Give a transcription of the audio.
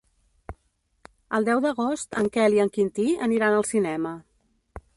El deu d'agost en Quel i en Quintí aniran al cinema.